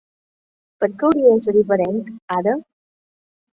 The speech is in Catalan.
¿Per què hauria de ser diferent, ara?